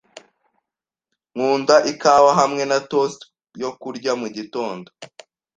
Nkunda ikawa hamwe na toast yo kurya mugitondo.